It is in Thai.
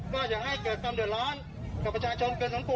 อย่าให้เกิดความเดือดร้อนกับประชาชนเกินสมควร